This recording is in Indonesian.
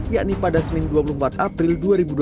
yakni pada senin dua puluh empat april dua ribu dua puluh